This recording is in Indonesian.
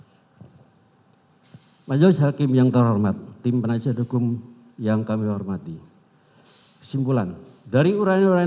hai masjid hakim yang terhormat tim penajian hukum yang kami hormati kesimpulan dari uranian